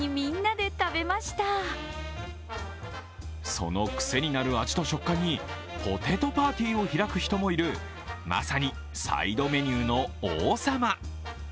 そのくせになる味と食感にポテトパーティーを開く人もいるまさにサイドメニューの王様。